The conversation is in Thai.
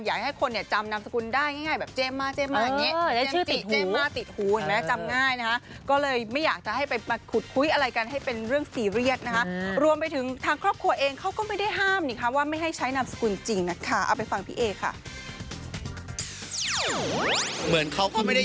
อยากให้คนเนี่ยจำนามสกุลได้ง่ายแบบเจมส์มาร์อย่างนี้